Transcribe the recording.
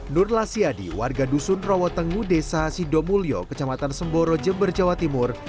nur lasiadi warga dusun rawotengu desa sidomulyo kecamatan semboro jember jawa timur